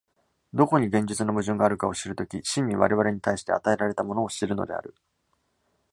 どこに現実の矛盾があるかを知る時、真に我々に対して与えられたものを知るのである。